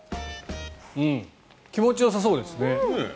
気持ちよさそうですね。